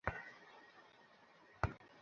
তাহলে নিচে নেমে এসো।